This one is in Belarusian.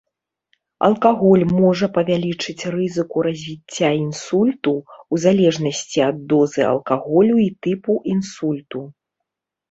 Алкаголь можа павялічыць рызыку развіцця інсульту, у залежнасці ад дозы алкаголю і тыпу інсульту.